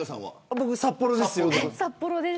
札幌です。